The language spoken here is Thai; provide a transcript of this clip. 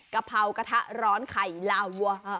กะเพรากระทะร้อนไข่ลาวัว